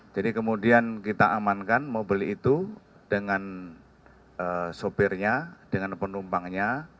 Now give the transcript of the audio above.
jadi kemudian kita amankan mobil itu dengan sopirnya dengan penumpangnya